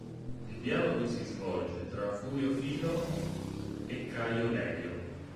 Il dialogo si svolge tra Furio Filo e Caio Lelio.